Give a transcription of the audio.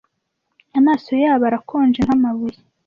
amaso yabo arakonje nk'amabuye